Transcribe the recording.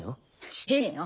してねえよ。